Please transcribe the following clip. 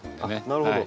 なるほど。